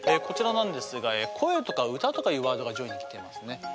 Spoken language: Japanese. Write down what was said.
こちらなんですが「声」とか「歌」とかいうワードが上位にきていますね。